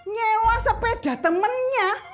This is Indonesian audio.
nyewa sepeda temennya